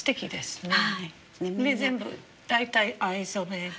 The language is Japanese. で全部大体藍染めで。